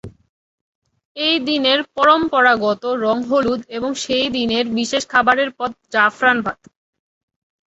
এই দিনের পরম্পরাগত রং হলুদ এবং সেই দিনের বিশেষ খাবারের পদ জাফরান ভাত।